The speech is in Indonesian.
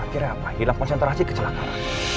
akhirnya apa hilang konsentrasi kecelakaan